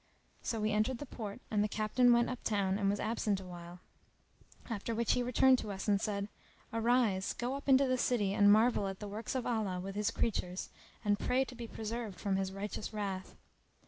So we entered the port and the Captain went up town and was absent awhile, after which he returned to us and said, "Arise; go up into the city and marvel at the works of Allah with His creatures and pray to be preserved from His righteous wrath!"